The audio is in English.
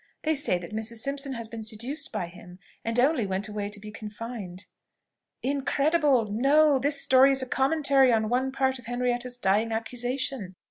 They say that Mrs. Simpson has been seduced by him, and only went away to be confined." "Incredible. No! this story is a commentary on one part of Henrietta's dying accusation.